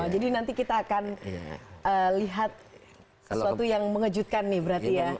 jadi nanti kita akan lihat sesuatu yang mengejutkan nih berarti ya